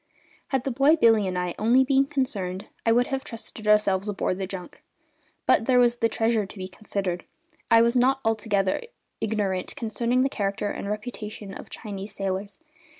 Had the boy Billy and I only been concerned I would have trusted ourselves aboard the junk; but there was the treasure to be considered, and I was not altogether ignorant concerning the character and reputation of Chinese sailors.